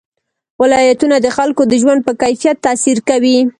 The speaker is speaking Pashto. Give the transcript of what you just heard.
ولایتونه د خلکو د ژوند په کیفیت تاثیر کوي.